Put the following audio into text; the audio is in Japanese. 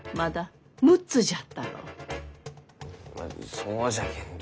んそうじゃけんど。